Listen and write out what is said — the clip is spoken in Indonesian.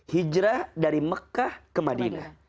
hijrah dari mekah ke madinah